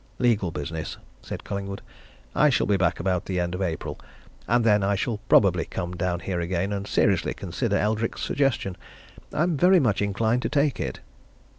"Legal business," said Collingwood. "I shall be back about the end of April and then I shall probably come down here again, and seriously consider Eldrick's suggestion. I'm very much inclined to take it."